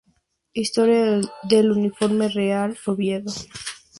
Historia del uniforme del Real Oviedo